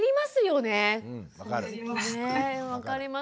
ね分かります。